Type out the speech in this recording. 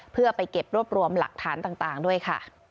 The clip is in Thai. เพื่อไปเก็บรวบรวมหลักฐานต่างด้วยค่ะ